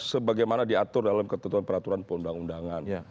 sebagaimana diatur dalam ketentuan peraturan perundang undangan